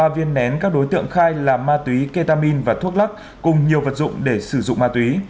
ba viên nén các đối tượng khai là ma túy ketamin và thuốc lắc cùng nhiều vật dụng để sử dụng ma túy